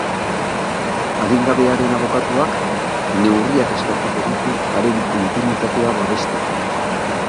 Adingabearen abokatuak neurriak eskatuko ditu haren intimitatea babesteko.